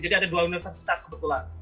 jadi ada dua universitas kebetulan